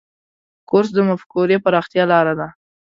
کورس د مفکورې پراختیا لاره ده.